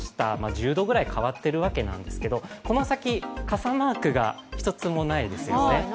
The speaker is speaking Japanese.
１０度くらい変わっているわけなんですけれどもこの先、傘マークが１つもないですよね。